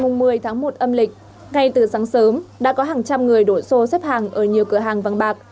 ngày một mươi tháng một âm lịch ngay từ sáng sớm đã có hàng trăm người đổ xô xếp hàng ở nhiều cửa hàng vàng bạc